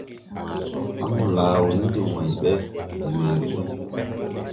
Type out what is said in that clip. Á mo laa wɔ ni de wãy ɓe, de weere ɓe,